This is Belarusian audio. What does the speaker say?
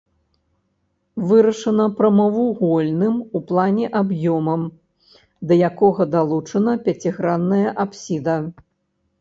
Вырашана прамавугольным у плане аб'ёмам, да якога далучана пяцігранная апсіда.